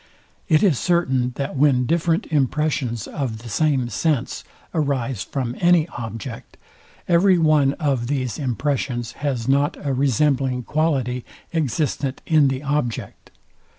It is certain, that when different impressions of the same sense arise from any object, every one of these impressions has not a resembling quality existent in the object.